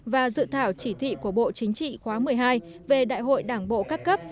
và dự thảo chỉ thị của bộ chính trị khóa một mươi hai về đại hội đảng bộ các cấp